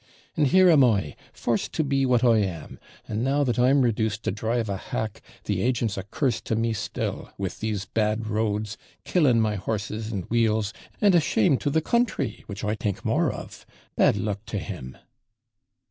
and here am I, forced to be what I am and now that I'm reduced to drive a hack, the agent's a curse to me still, with these bad roads, killing my horses and wheels and a shame to the country, which I think more of Bad luck to him!'